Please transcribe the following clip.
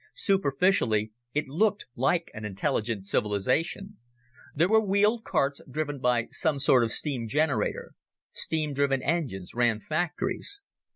Superficially, it looked like an intelligent civilization. There were wheeled carts driven by some sort of steam generator. Steam driven engines ran factories.